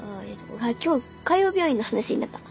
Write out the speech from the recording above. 今日海王病院の話になった。